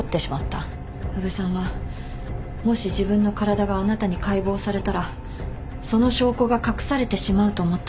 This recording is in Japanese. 宇部さんはもし自分の体があなたに解剖されたらその証拠が隠されてしまうと思ったんです。